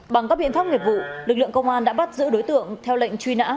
bằng các biện pháp nghiệp vụ lực lượng công an đã bắt giữ đối tượng theo lệnh truy nã